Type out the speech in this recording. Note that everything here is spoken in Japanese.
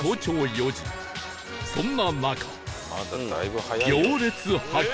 そんな中